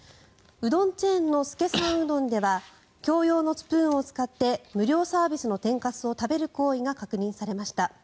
うどんチェーンの資さんうどんでは共用のスプーンを使って無料サービスの天かすを食べる行為が確認されました。